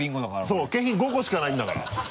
そう景品５個しかないんだから。